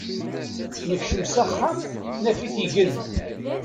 Nekcem s axxam, naf-it igen.